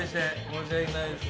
申し訳ないです。